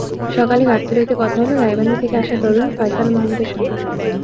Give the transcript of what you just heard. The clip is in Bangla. সকালে গাবতলীতে কথা হলো গাইবান্ধা থেকে ঢাকা আসা তরুণ ফয়সাল মাহমুদের সঙ্গে।